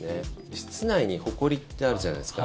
室内にほこりってあるじゃないですか。